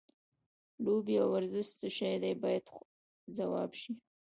لوبې او ورزش څه شی دی باید ځواب شي.